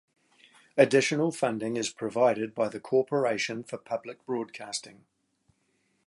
Additional funding is provided by the Corporation for Public Broadcasting.